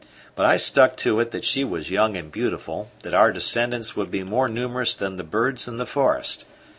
But I stuck to it that she was young and beautiful, that our descendants would be more numerous than the birds in the forest.